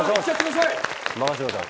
任せてください。